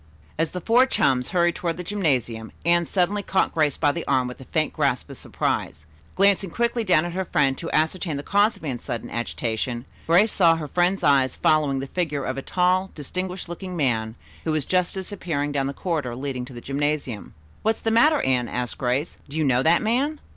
As the four chums hurried toward the gymnasium, Anne suddenly caught Grace by the arm with a faint gasp of surprise. Glancing quickly down at her friend to ascertain the cause of Anne's sudden agitation, Grace saw her friend's eyes following the figure of a tall, distinguished looking man who was just disappearing down the corridor leading to the gymnasium. "What's the matter, Anne?" asked Grace. "Do you know that man?"